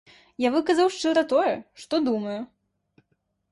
Я выказаў шчыра тое, што думаю.